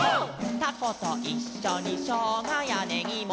「たこといっしょにしょうがやねぎも」